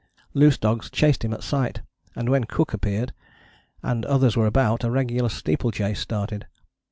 Loose dogs chased him at sight, and when Cooke appeared, and others were about, a regular steeplechase started.